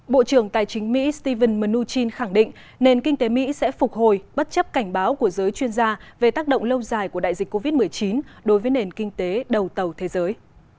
bộ trưởng tài chính mỹ steven mnuchin khẳng định nền kinh tế mỹ sẽ phục hồi bất chấp cảnh báo của giới chuyên gia về tác động lâu dài của đại dịch covid một mươi chín đối với nền kinh tế đầu tàu thế giới